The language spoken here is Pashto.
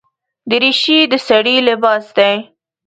دریشي د سړي لباس دی.